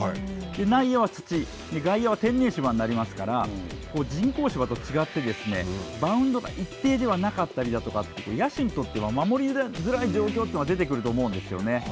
内野は土、外野は天然芝になりますから、人工芝と違ってバウンドが一定ではなかったりとか、野手にとっては、守りづらい状況が出てくると思うんですよね。